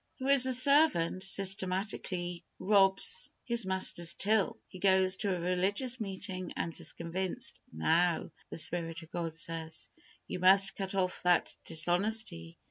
There is a servant systematically robs his master's till. He goes to a religious meeting and is convinced. "Now," the Spirit of God says, "you must cut off that dishonesty.